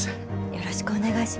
よろしくお願いします。